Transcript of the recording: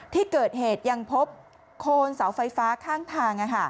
ที่เกิดเหตุยังพบโคนเสาไฟฟ้าข้างทาง